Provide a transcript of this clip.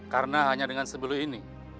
karena hanya dengan sebelum ini